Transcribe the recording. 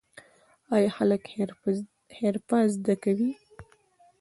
آیا خلک حرفه زده کوي؟